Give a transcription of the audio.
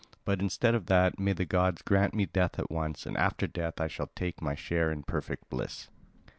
But instead of that, may the god grant me death at once, and after death I shall take my share in perfect bliss."